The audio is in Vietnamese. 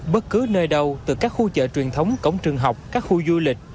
bất cứ nơi đâu từ các khu chợ truyền thống cổng trường học các khu du lịch